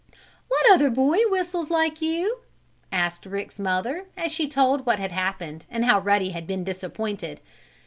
"What other boy whistles like you?" asked Rick's mother, as she told what had happened, and how Ruddy had been disappointed.